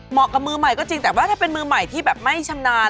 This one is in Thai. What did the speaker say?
กับมือใหม่ก็จริงแต่ว่าถ้าเป็นมือใหม่ที่แบบไม่ชำนาญ